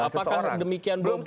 apakah demikian berarti